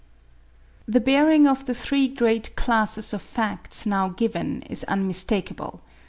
The bearing of the three great classes of facts now given is unmistakeable.